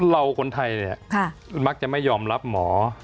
เราคนไทยเนี่ยมักจะไม่ยอมรับหมอ